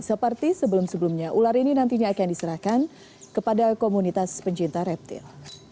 seperti sebelum sebelumnya ular ini nantinya akan diserahkan kepada komunitas pencinta reptil